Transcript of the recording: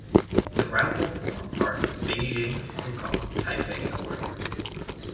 The route will form part of Beijing–Hong Kong (Taipei) corridor.